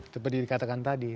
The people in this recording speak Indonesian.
seperti dikatakan tadi